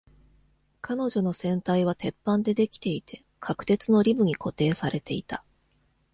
彼女の船体は鉄板でできていて、角鉄のリブに固定されていた。